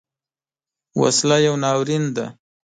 وسله یو ناورین دی